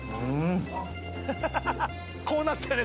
こうなってるよ